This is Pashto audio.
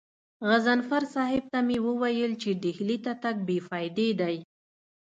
غضنفر صاحب ته مې وويل چې ډهلي ته تګ بې فايدې دی.